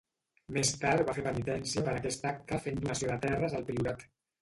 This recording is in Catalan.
Més tard va fer penitència per a aquest acte fent donació de terres al priorat.